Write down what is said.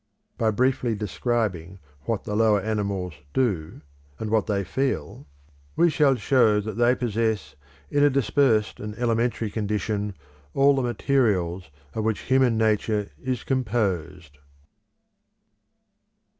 By briefly describing what the lower animals do, and what they feel, we shall show that they possess in a dispersed and elementary condition all the materials of which human nature is composed.